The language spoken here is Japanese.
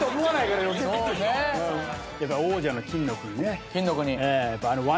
やっぱり王者の金の国ね。